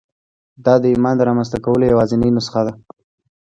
دا د ایمان د رامنځته کولو یوازېنۍ نسخه ده